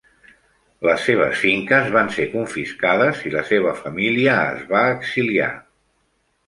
Les seves finques van ser confiscada i la seva família es va exiliar.